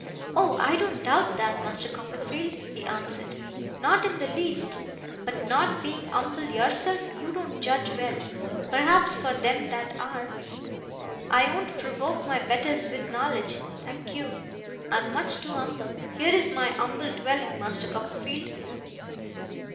'Oh, I don't doubt that, Master Copperfield,' he answered; 'not in the least. But not being umble yourself, you don't judge well, perhaps, for them that are. I won't provoke my betters with knowledge, thank you. I'm much too umble. Here is my umble dwelling, Master Copperfield!